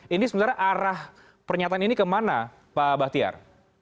ini sebenarnya arah pernyataan ini kemana pak bahtiar